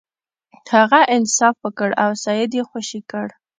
هغه انصاف وکړ او سید یې خوشې کړ.